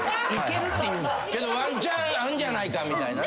けどワンチャンあんじゃないかみたいな。